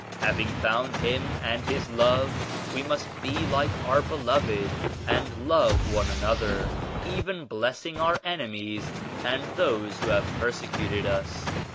Having found Him and His Love we must be like our Beloved and love one another, even blessing our enemies and those who have persecuted us.